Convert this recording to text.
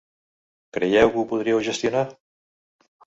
Creieu que ho podríeu gestionar?